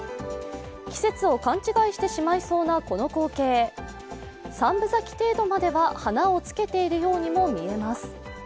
季節を勘違いしてしまいそうなこの光景、３分咲き程度までは花をつけているようにも見えます。